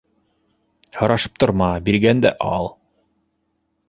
- Һорашып торма, биргәндә ал.